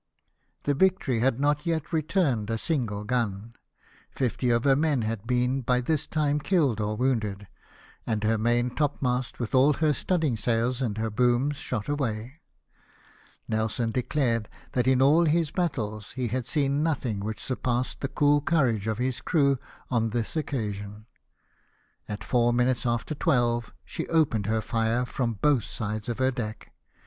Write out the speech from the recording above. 314 LIFE OF NELSON. The Victory liad not yet returned a single gun ; fifty of her men had been by this time killed or wounded, and her main topmast with all her stud ding sails and their booms, shot away. Nelson de clared that in all his battles he had seen nothing which surpassed the cool courage of his crew on this occasion. At four minutes after twelve she opened her fire from both sides of her deck.